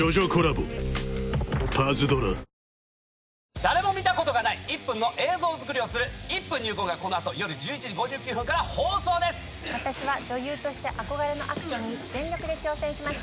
誰も見たことがない１分の映像作りをする、１分入魂が、このあと夜１１時５９分から放送私は女優として憧れのアクションに全力で挑戦しました。